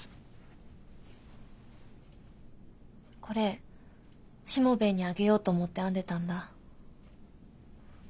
これしもべえにあげようと思って編んでたんだ。